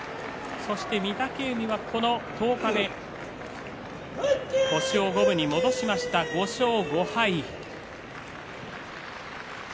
御嶽海は、この十日目星を五分に戻しました、５勝５敗。